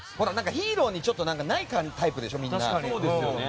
ヒーローにないタイプでしょ、みんな。